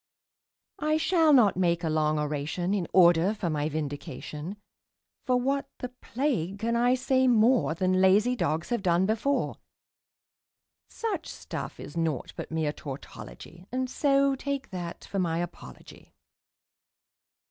I shall not make a long oration in order for my vindication, For what the plague can I say more Than lazy dogs have done before; Such stuff is naught but mere tautology, And so take that for my apology.